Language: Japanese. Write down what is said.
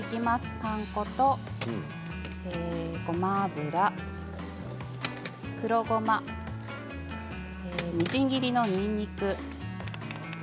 パン粉と、ごま油黒ごま、みじん切りのにんにく。